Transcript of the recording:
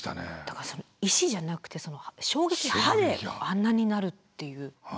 高橋さん石じゃなくてその衝撃波であんなになるっていう。